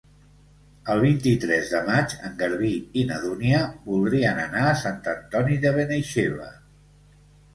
El vint-i-tres de maig en Garbí i na Dúnia voldrien anar a Sant Antoni de Benaixeve.